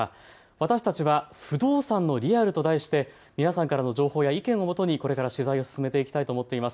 私たちは不動産のリアルと題して皆さんからの情報や意見をもとにこれから取材を進めていきたいと思っています。